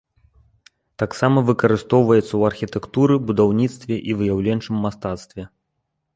Таксама выкарыстоўваецца ў архітэктуры, будаўніцтве і выяўленчым мастацтве.